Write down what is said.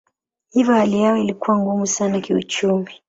Hivyo hali yao ilikuwa ngumu sana kiuchumi.